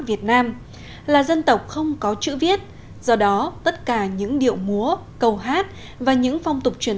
việt nam là dân tộc không có chữ viết do đó tất cả những điệu múa câu hát và những phong tục truyền